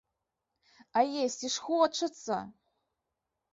А есці ж хочацца.